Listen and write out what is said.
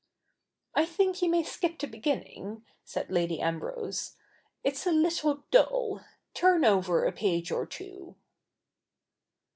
^' I think you may skip the beginning,' said Lady Ambrose, ' it's a Uttle dull. Turn over a page or two.'